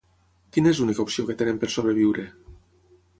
Quina és l'única opció que tenen per sobreviure?